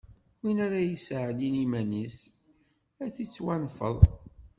Win ara yesseɛlin iman-is, ad d-ittwanfeḍ.